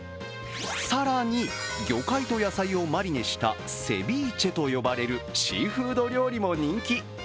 更に、魚介と野菜をマリネしたセビーチェと呼ばれるシーフード料理も人気。